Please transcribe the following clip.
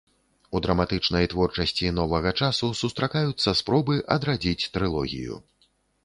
У драматычнай творчасці новага часу сустракаюцца спробы адрадзіць трылогію.